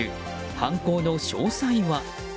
犯行の詳細は。